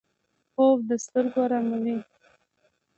خوب د سترګو آراموي